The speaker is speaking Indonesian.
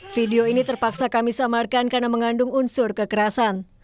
video ini terpaksa kami samarkan karena mengandung unsur kekerasan